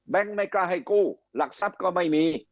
ไม่กล้าให้กู้หลักทรัพย์ก็ไม่มี